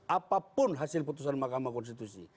apapun hasil putusan mahkamah konstitusi